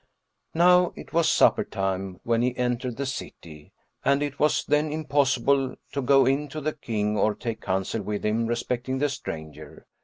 Now it was supper time when he entered the city, and it was then impossible to go in to the King or take counsel with him respecting the stranger.